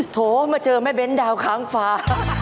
โถมาเจอแม่เบ้นดาวค้างฟ้า